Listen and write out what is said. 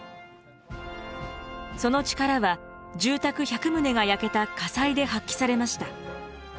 その力は住宅１００棟が焼けた火災で発揮されました。